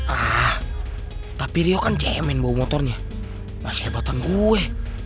ah tapi rio kan jemin bawa motornya masa hebatan gue